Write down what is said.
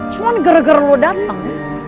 cuman gara gara lo dateng